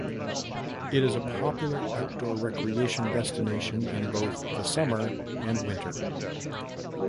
It is a popular outdoor recreation destination in both the summer and winter.